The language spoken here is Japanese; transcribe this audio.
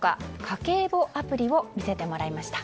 家計簿アプリを見せてもらいました。